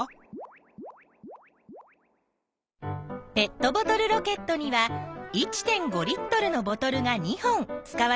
ペットボトルロケットには１．５Ｌのボトルが２本使われているよ。